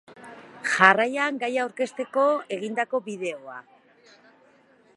Jarraian gaia aurkezteko egindako bideoa.